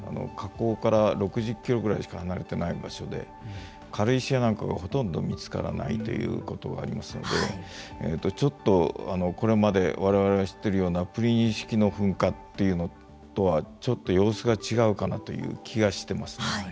火口から６０キロぐらいしか離れてない場所で軽石やなんかがほとんど見つからないということがありますのでちょっとこれまでわれわれが知っているようなプリニー式の噴火とはちょっと様子が違うかなという気がしています。